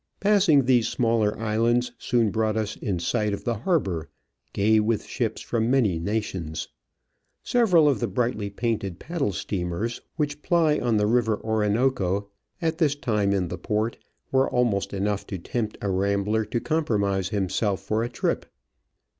Passing these smaller islands soon Q brought us in sight S of the harbour, gay ^ with ships from many < nations. Several of CO g the brightly painted g paddle steamers which PL, ply on the river Ori noco, at this time in the port, were almost enough to tempt a rambler to compro mise himself for a trip.